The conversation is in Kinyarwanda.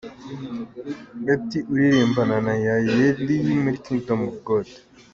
Betty uririmbana na Yayeli muri Kingdom of God.